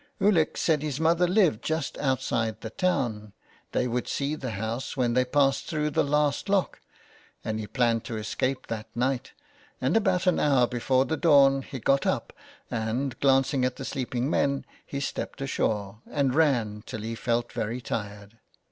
Ulick said his mother lived just outside the town, they would see the house when they passed through the last lock, and he planned to escape that night, and about an hour before the dawn he got up, and, glancing at the sleeping men, he stepped ashore and ran until he felt very tired.